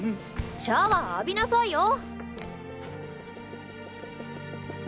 シャワー浴びなさいよ！